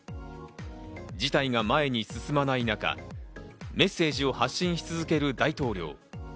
事態が前に進まない中、メッセージを発信し続ける大統領。